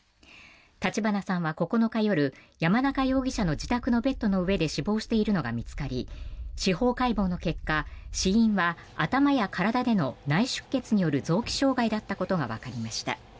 立花さんは９日夜山中容疑者の自宅のベッドの上で死亡しているのが見つかり司法解剖の結果死因は頭や体での内出血による臓器障害だったことがわかりました。